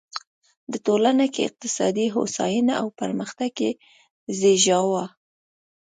د ټولنه کې اقتصادي هوساینه او پرمختګ یې زېږاوه.